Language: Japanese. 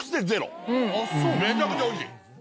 めちゃくちゃおいしい！